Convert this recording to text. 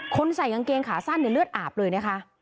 ใส่กางเกงขาสั้นเนี่ยเลือดอาบเลยนะคะ